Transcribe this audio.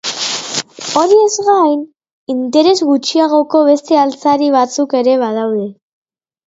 Horiez gain, interes gutxiagoko beste altzari batzuk ere badaude.